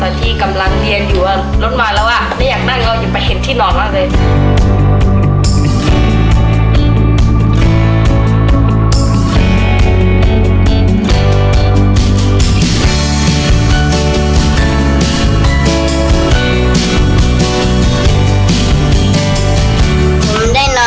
ที่กำลังเรียนอยู่ว่ารถมาแล้วอ่ะไม่อยากนั่งเราอย่าไปเห็นที่นอนเราเลย